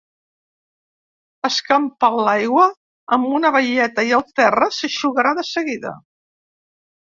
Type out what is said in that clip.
Escampa l'aigua amb una baieta i el terra s'eixugarà de seguida.